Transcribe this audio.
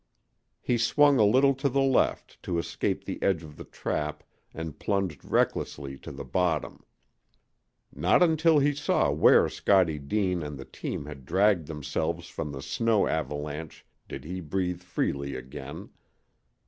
He swung a little to the left to escape the edge of the trap and plunged recklessly to the bottom. Not until he saw where Scottie Deane and the team had dragged themselves from the snow avalanche did he breathe freely again.